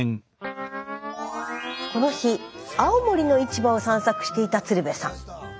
この日青森の市場を散策していた鶴瓶さん。